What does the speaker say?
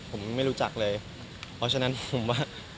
ผมไม่รู้จักเลยเพราะฉะนั้นผมว่า